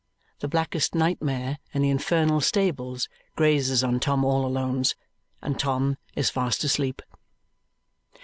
The blackest nightmare in the infernal stables grazes on Tom all Alone's, and Tom is fast asleep.